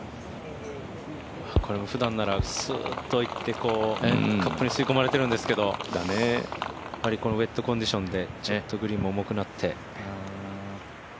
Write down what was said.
これもふだんならスーッといってカップに吸い込まれてるんですけどやはりこのウエットコンディションでちょっとグリーンも重くなって。